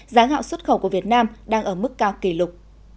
giá gạo xuất khẩu của việt nam đang ở mức cao kỷ lục